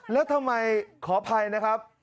แล้วทำไมขออภัยนะครับ